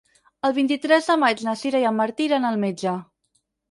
El vint-i-tres de maig na Sira i en Martí iran al metge.